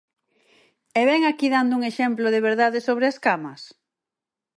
¿E vén aquí dando un exemplo de verdade sobre as camas?